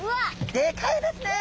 でかいですね！